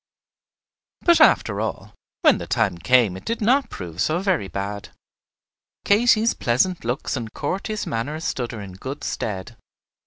But after all, when the time came it did not prove so very bad. Katy's pleasant looks and courteous manner stood her in good stead.